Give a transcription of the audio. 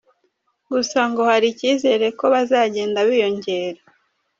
Gusa ngo hari icyizere ko bazagenda biyongera.